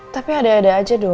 tapi ada aja dong